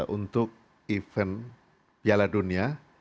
untuk event piala dunia